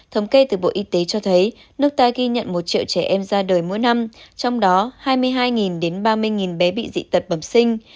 thống kê từ bộ y tế cho thấy nước ta ghi nhận một triệu trẻ em ra đời mỗi năm trong đó hai mươi hai đến ba mươi bé bị dị tật bẩm sinh